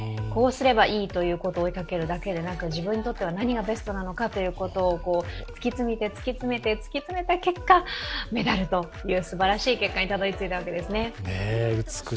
こうすればいいということを追いかけるだけではなく自分にとっては何がベストなのかを突き詰めて突き詰めた結果、メダルというすばらしい結果にたどり着いたわけですね。